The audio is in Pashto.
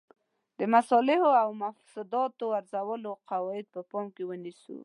د مصالحو او مفاسدو ارزولو قواعد په پام کې ونیسو.